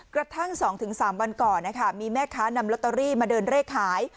กระทั่ง๒๓วันก่อนมีแม่ค้านำลอตเตอรี่มาเดินเลขขาย